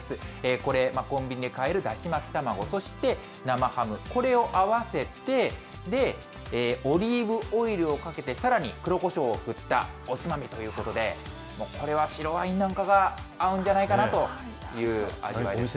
これ、コンビニで買えるだし巻き卵、そして生ハム、これを合わせて、オリーブオイルをかけてさらに黒コショウを振ったおつまみということで、もうこれは白ワインなんかが合うんじゃないかなという味わいです。